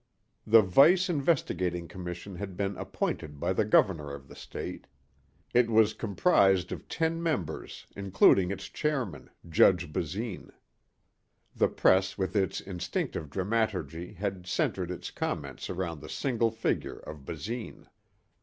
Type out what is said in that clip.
The Vice Investigating Commission had been appointed by the governor of the state. It was comprised of ten members including its chairman, Judge Basine. The press with its instinctive dramaturgy had centered its comment around the single figure of Basine.